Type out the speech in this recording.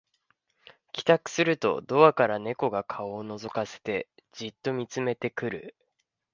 帰宅するとドアから猫が顔をのぞかせてじっと見つめてくる